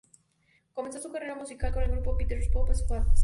Comenzó su carrera musical con el grupo "Peter's Pop Squad".